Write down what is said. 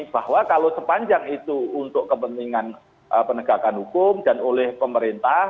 bahwa kalau sepanjang itu untuk kepentingan penegakan hukum dan oleh pemerintah